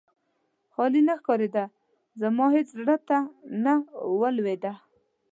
خالي نه ښکارېده، زما هېڅ زړه ته نه لوېده.